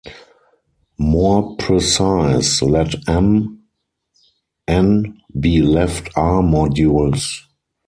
More precise, let "M", "N" be left "R"-modules.